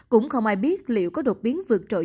cũng không ai biết liệu có đột biến vượt trội